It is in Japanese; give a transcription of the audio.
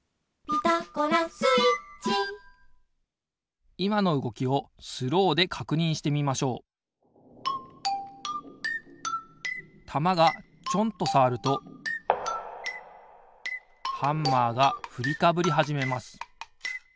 「ピタゴラスイッチ」いまのうごきをスローでかくにんしてみましょうたまがちょんとさわるとハンマーがふりかぶりはじめます。